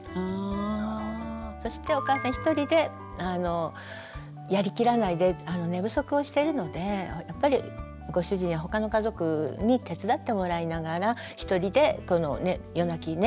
そしてお母さん一人でやりきらないで寝不足をしてるのでやっぱりご主人や他の家族に手伝ってもらいながら一人で夜泣きね